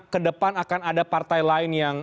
kedepan akan ada partai lain yang